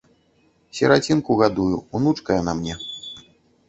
Сірацінку гадую, унучка яна мне.